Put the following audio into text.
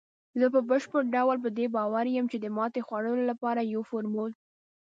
زه په بشپړ ډول په دې باور یم، چې د ماتې خوړلو لپاره یو فارمول